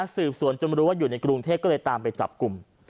สืบสวนจนมารู้ว่าอยู่ในกรุงเทพก็เลยตามไปจับกลุ่ม